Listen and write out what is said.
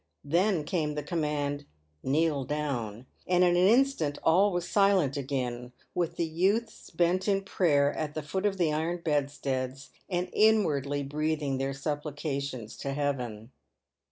Then came the command, "Kneel down," and in an instant all was silent again, with the youths bent in prayer at the foot of the iron bedsteads, and inwardly breathing their supplications to Heaven.